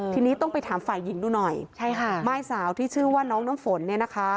ทีนี้ต้องไปถามฝ่ายิงดูหน่อยม่ายสาวที่ชื่อว่าน้องน้ำฝน